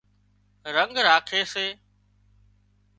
رنڳ راکي سي